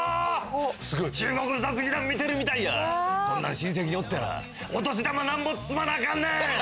中国雑技団見てるみたいやこんなん親戚におったらお年玉なんぼ包まなあかんねーん！